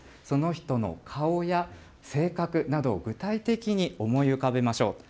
その人の顔や性格などを具体的に思い浮かべましょう。